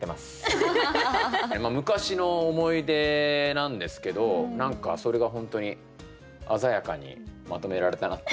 昔の思い出なんですけど何かそれが本当に鮮やかにまとめられたなって。